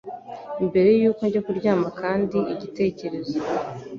mbere yuko njya kuryama kandi igitekerezo